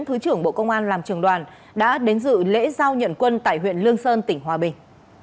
thứ trưởng bộ công an làm trường đoàn đã đến dự lễ giao nhận quân tại huyện lương sơn tỉnh hòa bình